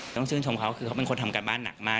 ต้องชื่นชมเขาคือเขาเป็นคนทำการบ้านหนักมาก